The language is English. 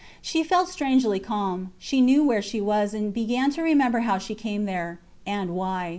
She felt strangely calm. She knew where she was, and began to remember how she came there and why.